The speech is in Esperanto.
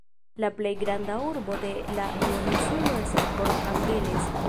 La plej granda urbo de la duoninsulo estas Port Angeles.